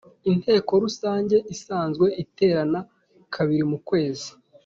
inteko rusange isanzwe iterana kabiri mu kwezi